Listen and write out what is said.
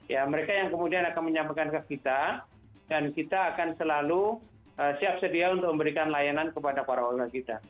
ya mereka yang kemudian akan menyampaikan ke kita dan kita akan selalu siap sedia untuk memberikan layanan kepada para warga kita